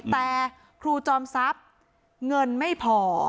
แต่ครูจอมทรัพย์เงินไม่พอ